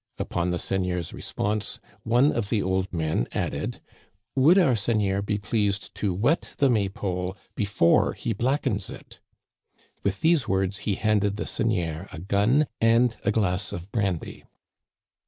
Upon the seigneur's response, one of the old men added :Would our seigneur be pleased to * wet ' the May pole before he blackens it ?" With these words he handed the seigneur a gun and a glass of brandy.